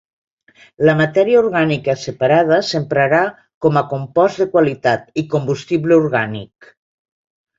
La matèria orgànica separada s’emprarà com a compost de qualitat i combustible orgànic.